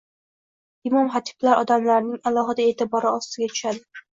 imom-xatiblar odamlarning alohida e’tibori ostiga tushadi.